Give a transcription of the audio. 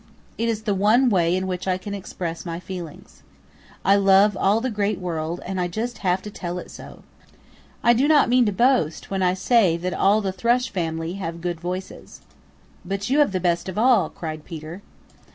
It is the one way in which I can express my feelings. I love all the Great World and I just have to tell it so. I do not mean to boast when I say that all the Thrush family have good voices." "But you have the best of all," cried Peter.